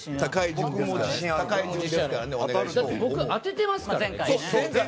僕当ててますから、前回。